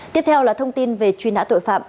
tiếp theo là thông tin về truy nã tội phạm